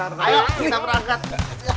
ya allah lo baik banget